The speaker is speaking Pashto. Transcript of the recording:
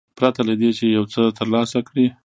پرته له دې چې یو څه ترلاسه کړي.